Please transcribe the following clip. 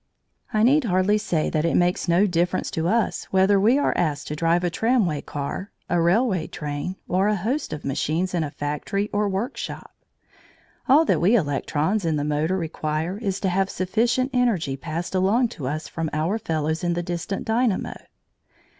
I need hardly say that it makes no difference to us whether we are asked to drive a tramway car, a railway train, or a host of machines in a factory or workshop. All that we electrons in the motor require is to have sufficient energy passed along to us from our fellows in the distant dynamo.